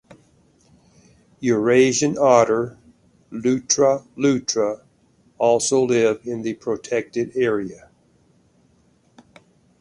Eurasian otter ("Lutra lutra") also live in the protected area.